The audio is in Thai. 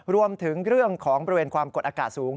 รวมถึงเรื่องของบริเวณความกดอากาศสูง